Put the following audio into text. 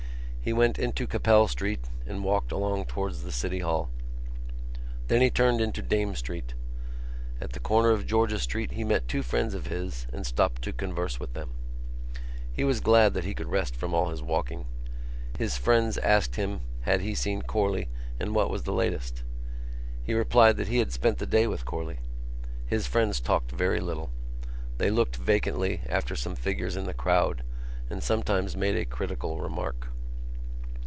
He went into Capel Street and walked along towards the City Hall. Then he turned into Dame Street. At the corner of George's Street he met two friends of his and stopped to converse with them. He was glad that he could rest from all his walking. His friends asked him had he seen Corley and what was the latest. He replied that he had spent the day with Corley. His friends talked very little. They looked vacantly after some figures in the crowd and sometimes made a critical remark.